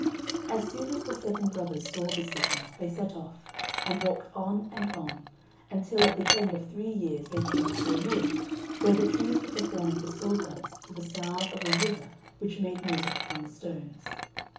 As soon as the seven brothers saw this signal, they set off, and walked on and on, until at the end of three years they came to a wood, where the trees were performing the sword dance to the sound of a river which made music upon the stones.